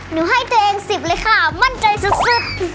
หนูให้ตัวเอง๑๐เลยค่ะมั่นใจสุด